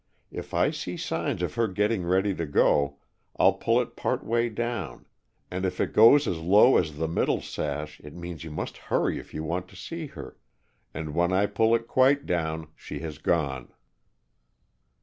If I see signs of her getting ready to go, I'll pull it part way down, and if it goes as low as the middle sash it means you must hurry if you want to see her, and when I pull it quite down, she has gone!"